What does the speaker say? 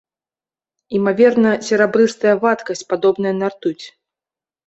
Імаверна, серабрыстая вадкасць, падобная на ртуць.